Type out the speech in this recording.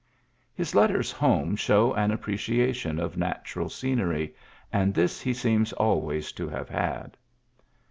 '' His letters home show an appreciation of natural scenery, and this he seems always to have had.